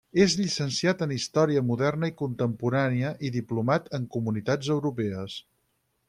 És llicenciat en Història Moderna i Contemporània i diplomat en Comunitats Europees.